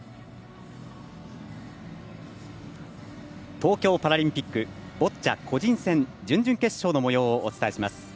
東京パラリンピックボッチャ個人戦準々決勝のもようをお伝えします。